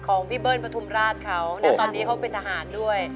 ของพี่เบิ้ลปฐุมราชเขานะตอนนี้เขาเป็นทหารด้วย